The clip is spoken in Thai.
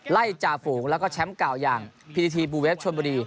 ไล่จ่าฝูงแล้วก็แชมป์๙อย่างพีทีทีบูเวฟชนบุดี